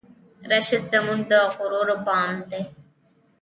راشد زمونږه د غرور بام دی